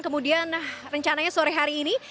kemudian rencananya sore hari ini